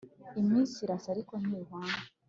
Iminsi irasa ariko ntihwana.